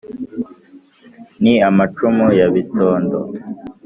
ni amacumu ya bitondo